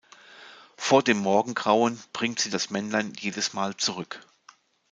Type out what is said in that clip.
Vor dem Morgengrauen bringt sie das Männlein jedes Mal zurück.